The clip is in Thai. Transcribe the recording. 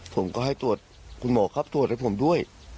ผมก็ให้ตรวจคุณหมอครับตรวจให้ผมด้วย